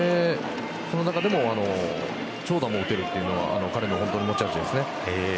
その中でも長打も打てるというのは彼の持ち味ですね。